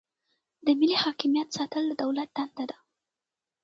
د ملي حاکمیت ساتل د دولت دنده ده.